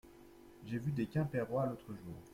J’ai vu des Quimpérois l’autre jour.